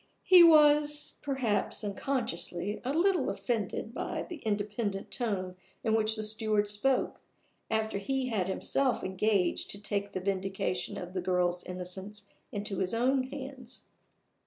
He was (perhaps unconsciously) a little offended by the independent tone in which the steward spoke, after he had himself engaged to take the vindication of the girl's innocence into his own hands.